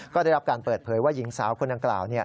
ก็ได้รับการเปิดเผยว่าหญิงสาวคนดังกล่าว